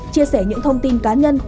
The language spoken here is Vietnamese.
chia sẻ những thông tin cá nhân